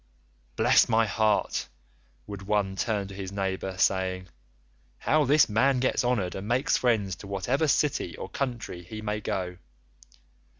'Bless my heart,' would one turn to his neighbour, saying, 'how this man gets honoured and makes friends to whatever city or country he may go.